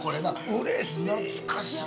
うれしい。